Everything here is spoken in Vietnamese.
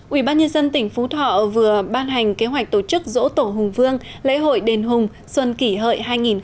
ủy ban nhân dân tỉnh phú thọ vừa ban hành kế hoạch tổ chức dỗ tổ hùng vương lễ hội đền hùng xuân kỷ hợi hai nghìn một mươi chín